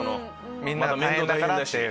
みんなが大変だからっていう。